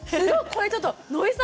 これちょっと野井さん